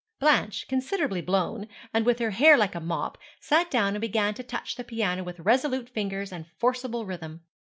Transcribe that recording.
Blanche, considerably blown, and with her hair like a mop, sat down and began to touch the piano with resolute fingers and forcible rhythm.